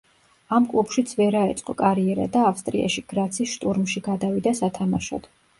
ამ კლუბშიც ვერ აეწყო კარიერა და ავსტრიაში, გრაცის შტურმში გადავიდა სათამაშოდ.